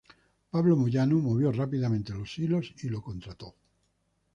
Pablo Moyano movió rápidamente los hilos y lo contrató.